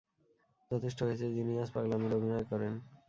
যথেষ্ট হয়েছে, জিনিয়াস পাগলামির অভিনয় করেন?